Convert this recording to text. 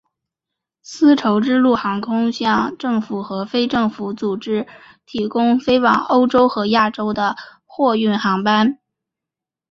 丝绸之路航空向政府和非政府组织提供飞往欧洲和亚洲的货运航班。